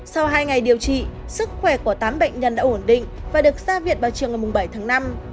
sau hai ngày điều trị sức khỏe của tám bệnh nhân đã ổn định và được ra viện vào chiều ngày bảy tháng năm